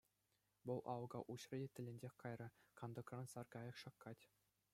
Вӑл алӑка уҫрӗ те тӗлӗнсех кайрӗ: кантӑкран саркайӑк шаккать.